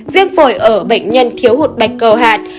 viêm phổi ở bệnh nhân thiếu hụt bạch cầu hạn